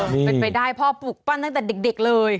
เป็นไปได้พ่อปลูกปั้นตั้งแต่เด็กเลย